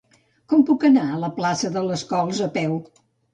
Com puc anar a la plaça de les Cols a peu?